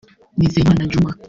Nizeyimana Djuma